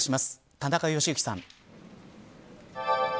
田中良幸さん。